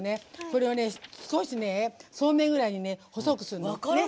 これを少しそうめんぐらいに細くするの。